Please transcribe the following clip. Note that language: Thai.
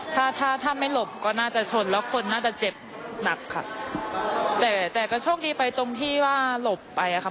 ถ้าถ้าถ้าไม่หลบก็น่าจะชนแล้วคนน่าจะเจ็บหนักค่ะแต่แต่ก็โชคดีไปตรงที่ว่าหลบไปอ่ะค่ะ